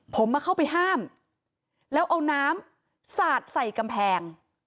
ผมมาเข้าไปห้ามแล้วเอาน้ำสาดใส่กำแพง